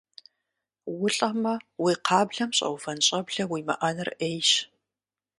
УлӀэмэ, уи кхъаблэм щӀэувэн щӀэблэ уимыӀэныр Ӏейщ.